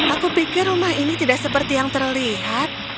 aku pikir rumah ini tidak seperti yang terlihat